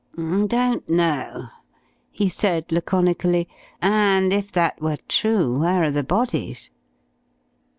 "Don't know," he said laconically, "and if that were true, where are the bodies?...